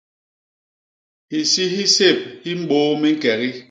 Hisi hi sép hi mbôô miñkegi.